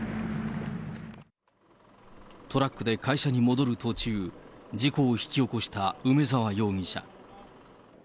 トラックで会社に戻る途中、事故を引き起こした梅沢容疑者。